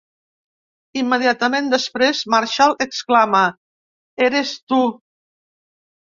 Immediatament després, Marshall exclama: "Eres tu!".